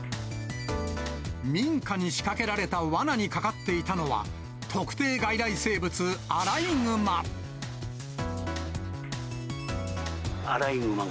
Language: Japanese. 民家に仕掛けられたわなにかかっていたのは、特定外来生物、アライグマ。